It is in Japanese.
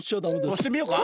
おしてみようか？